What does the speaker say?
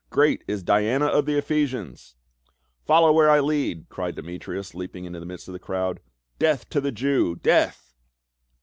"Great is Diana of the Ephesians !"" Follow where I lead !" cried Demetrius leaping into the midst of the crowd. " Death to the Jew ! Death